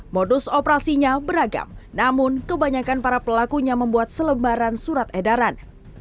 modus operasinya beragam namun kebanyakan para pelakunya membuat selembaran surat edaran